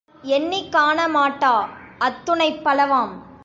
நம்மால் எண்ணிக் காணமாட்டா அத்துணைப் பலவாம்.